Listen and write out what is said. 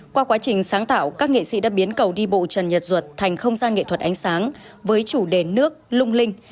qua quá trình sáng tạo các nghệ sĩ đã biến cầu đi bộ trần nhật duật thành không gian nghệ thuật ánh sáng với chủ đề nước lung linh